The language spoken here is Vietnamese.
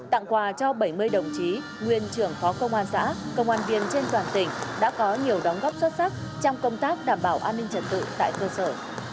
tặng quà cho bảy mươi đồng chí nguyên trưởng phó công an xã công an viên trên toàn tỉnh đã có nhiều đóng góp xuất sắc trong công tác đảm bảo an ninh trật tự tại cơ sở